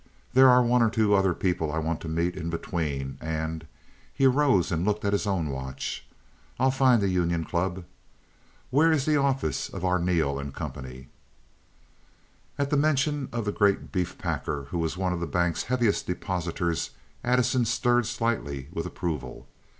There are one or two other people I want to meet in between, and"—he arose and looked at his own watch—"I'll find the Union Club. Where is the office of Arneel & Co.?" At the mention of the great beef packer, who was one of the bank's heaviest depositors, Addison stirred slightly with approval.